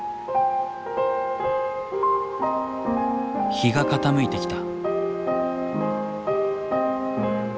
日が傾いてきた。